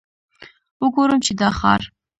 وګورم چې دا ښار.